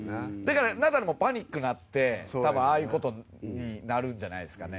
ナダルもパニックになって多分、ああいうことになるんじゃないですかね。